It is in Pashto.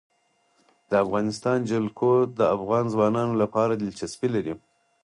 د افغانستان جلکو د افغان ځوانانو لپاره دلچسپي لري.